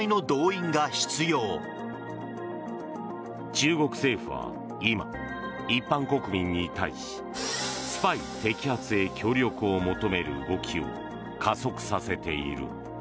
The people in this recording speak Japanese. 中国政府は今一般国民に対しスパイ摘発へ協力を求める動きを加速させている。